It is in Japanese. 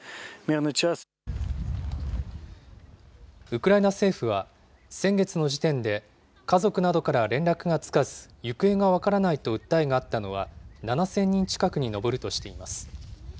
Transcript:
ウクライナ政府は、先月の時点で、家族などから連絡がつかず、行方が分からないと訴えがあったのは、７０００人近くに上るとしています。